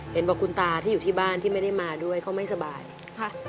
เห็นบอกคุณตาที่อยู่ที่บ้านที่ไม่ได้มาด้วยเขาไม่สบายค่ะ